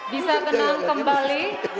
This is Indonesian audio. bisa tenang kembali